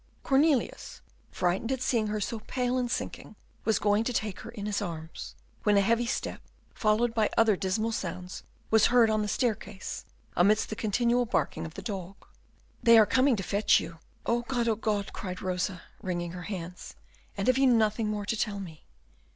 Cornelius, frightened at seeing her so pale and sinking, was going to take her in his arms, when a heavy step, followed by other dismal sounds, was heard on the staircase, amidst the continued barking of the dog. "They are coming to fetch you. Oh God! Oh God!" cried Rosa, wringing her hands. "And have you nothing more to tell me?"